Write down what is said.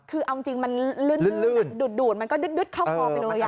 คือเอาจริงมันลื่นดูดมันก็ดึ๊ดเข้าคอไปเลย